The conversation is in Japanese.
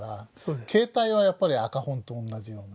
形態はやっぱり赤本と同じような。